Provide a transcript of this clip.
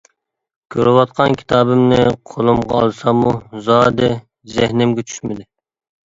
كۆرۈۋاتقان كىتابىمنى قولۇمغا ئالساممۇ زادى زېھنىمگە چۈشمىدى.